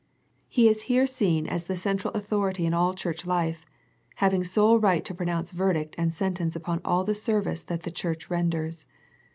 He is here seen as the central Authority in all Church life, having sole right to pronounce verdict and sentence upon all the service that the Church renders.